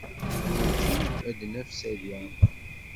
Werǧin ad d-naf Saɛid Waɛmaṛ.